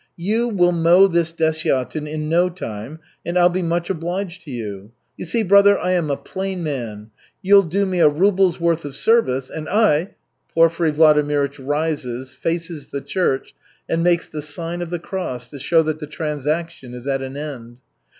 You will mow this desyatin in no time, and I'll be much obliged to you. You see, brother, I am a plain man. You'll do me a ruble's worth of service, and I " Porfiry Vladimirych rises, faces the church, and makes the sign of the cross to show that the transaction is at an end.